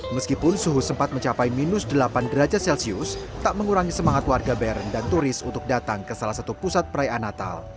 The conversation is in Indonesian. meskipun suhu sempat mencapai minus delapan derajat celcius tak mengurangi semangat warga bern dan turis untuk datang ke salah satu pusat perayaan natal